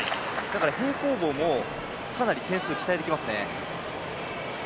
平行棒もかなり点数が期待できますね。